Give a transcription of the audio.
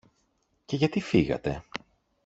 Και γιατί φύγατε;